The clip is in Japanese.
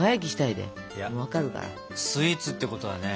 いやスイーツってことはね